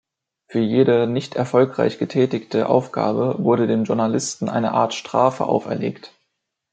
Für jede nicht erfolgreich getätigte Aufgabe wurde dem Journalisten eine Art Strafe auferlegt.